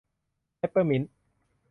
เปปเปอร์มินต์